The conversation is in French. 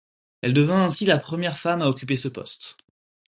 Elle devient ainsi la première femme à occuper ce poste.